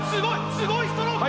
すごいストローク！